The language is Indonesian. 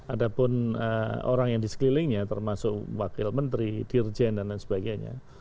ada pun orang yang di sekelilingnya termasuk wakil menteri dirjen dan lain sebagainya